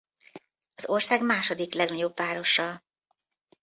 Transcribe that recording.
Az ország második legnagyobb városa.